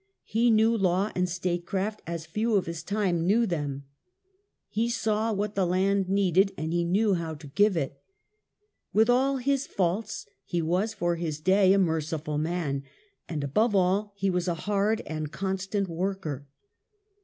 He knew law and statecraft as few of his time knew them. He saw what the land needed, and he knew how to give it. With all his faults he was, for his day, a merciful man. And above all, he was a hard and constant worker.